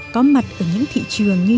có mặt ở những thị trường như